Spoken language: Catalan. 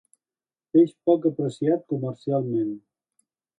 Peix poc apreciat comercialment.